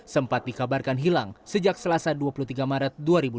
sempat dikabarkan hilang sejak selasa dua puluh tiga maret dua ribu dua puluh